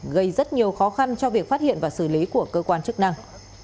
gây rất nhiều khó khăn cho việc phát hiện và xử lý của cơ quan chức năng